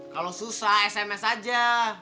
kalau susah sms aja